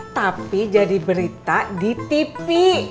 tapi jadi berita di tv